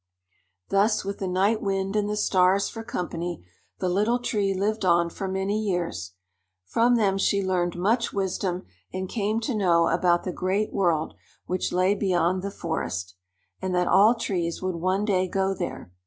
Thus with the Night Wind and the Stars for company, the Little Tree lived on for many years. From them she learned much wisdom and came to know about the great world which lay beyond the forest, and that all trees would one day go there.